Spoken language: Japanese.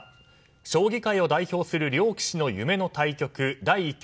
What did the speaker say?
将棋界を代表する両棋士の夢の対局